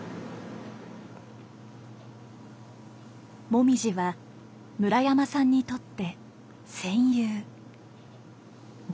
もみじは村山さんにとって「戦友」。